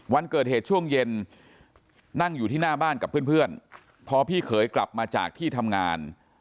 วันเกิดเหตุช่วงเย็นนั่งอยู่ที่หน้าบ้านกับเพื่อนพอพี่เขยกลับมาจากที่ทำงาน